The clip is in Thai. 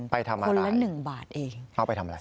ไปทำอะไรเอาไปทำอะไรคนละ๑บาทเอง